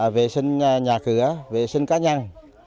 vệ sinh nhà cửa vệ sinh cá nhân